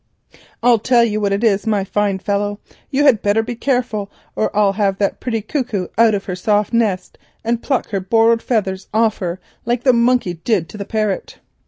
I'll tell you what it is, my fine fellow: you had better be careful, or I'll have that pretty cuckoo out of her soft nest, and pluck her borrowed feathers off her, like the monkey did to the parrot."